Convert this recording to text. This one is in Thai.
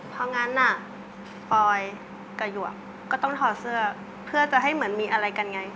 เพราะงั้นน่ะปอยกับหยวกก็ต้องถอดเสื้อเพื่อจะให้เหมือนมีอะไรกันไง